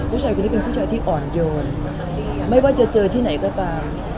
ผู้ชายคนนี้เป็นผู้ชายที่อ่อนโยนไม่ว่าจะเจอที่ไหนก็ตาม